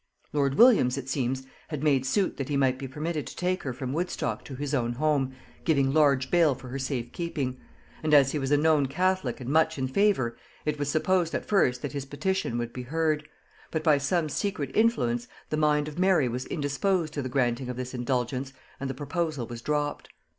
Lord Williams, it seems, had made suit that he might be permitted to take her from Woodstock to his own home, giving large bail for her safe keeping; and as he was a known catholic and much in favor, it was supposed at first that his petition would be heard; but by some secret influence the mind of Mary was indisposed to the granting of this indulgence and the proposal was dropped.